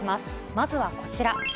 まずはこちら。